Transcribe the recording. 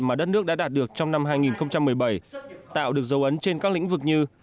mà đất nước đã đạt được trong năm hai nghìn một mươi bảy tạo được dấu ấn trên các lĩnh vực như